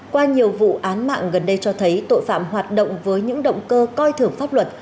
qua nhiều vụ án mạng gần đây cho thấy tội phạm hoạt động với những động cơ coi thưởng pháp luật